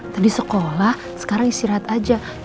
tadi sekolah sekarang istirahat aja